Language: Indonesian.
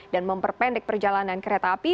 dan memperpendek perjalanan kereta api